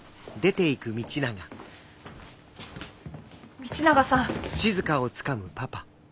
道永さん。